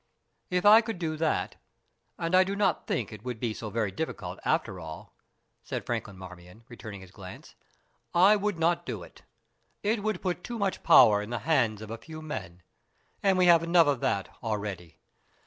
"If I could do that, and I do not think it would be so very difficult after all," said Franklin Marmion, returning his glance, "I would not do it. It would put too much power in the hands of a few men, and we have enough of that already.